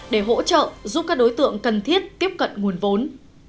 để hỗ trợ giúp các đối tượng cần thiết tiếp cận nguồn vốn